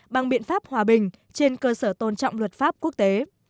bằng biện pháp hòa bình trên cơ sở tôn trọng luật pháp quốc tế